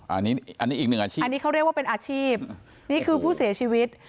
อันนี้อันนี้อีกหนึ่งอาชีพอันนี้เขาเรียกว่าเป็นอาชีพนี่คือผู้เสียชีวิต